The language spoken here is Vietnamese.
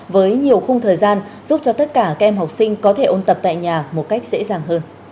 với nhiều khung thời gian giúp cho tất cả các em học sinh có thể ôn tập tại nhà một cách dễ dàng hơn